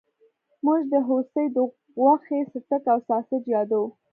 موږ د هوسۍ د غوښې سټیک او ساسج یادوو